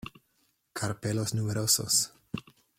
Carpelos numerosos.